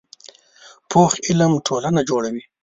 پوخ علم ټولنه جوړوي